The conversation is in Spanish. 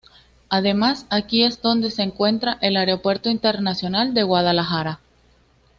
Además aquí es donde se encuentra el Aeropuerto Internacional de Guadalajara.